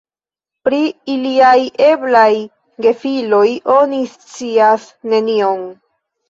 Pri iliaj eblaj gefiloj oni scias nenion.